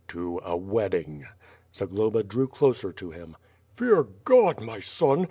"To a wedding." Zagloba drew closer to him. "Fear God, my son!